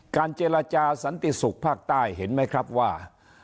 เจรจาสันติศุกร์ภาคใต้เห็นไหมครับว่า